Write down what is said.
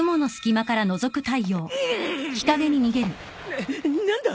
な何だ？